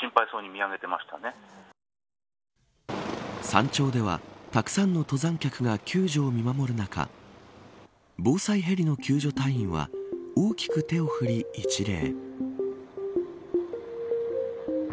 山頂では、たくさんの登山客が救助を見守る中防災ヘリの救助隊員は大きく手を振り一礼。